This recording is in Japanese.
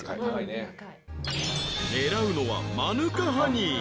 ［狙うのはマヌカハニー］